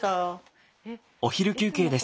お昼休憩です。